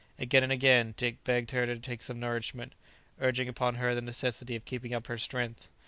Again and again Dick begged her to take some nourishment, urging upon her the necessity of keeping up her strength.